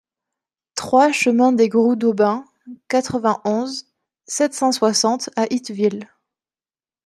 trois chemin des Grous d'Aubin, quatre-vingt-onze, sept cent soixante à Itteville